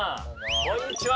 こんにちは！